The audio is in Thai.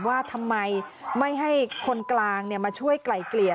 ว่าทำไมไม่ให้คนกลางมาช่วยไกล่เกลี่ย